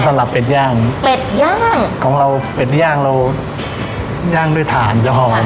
สำหรับเป็ดย่างเป็ดย่างของเราเป็ดย่างเราย่างด้วยถ่านจะหอม